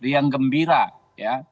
yang gembira ya